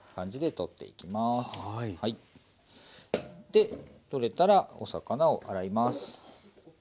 で取れたらお魚を洗います。